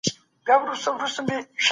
د توحيد پوهه د کمال نښه ده.